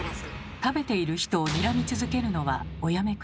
食べている人をにらみ続けるのはおやめ下さい。